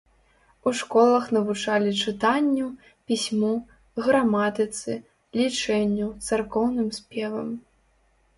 У школах навучалі чытанню, пісьму, граматыцы, лічэнню, царкоўным спевам.